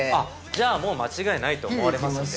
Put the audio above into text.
◆じゃあ、もう間違いないと思われますんで。